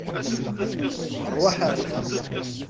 Ṛwaḥ ar da!